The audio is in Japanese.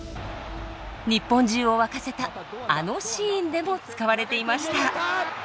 日本中を沸かせたあのシーンでも使われていました。